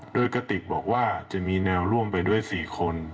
โดยกระติกบอกว่าจะมีแนวร่วมไปด้วย๔คน